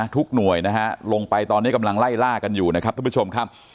ทุกหน่วยลงไปตอนนี้กำลังไล่ล่ากันอยู่ทุกผู้ชมครับ